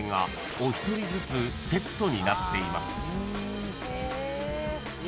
お一人ずつセットになっています］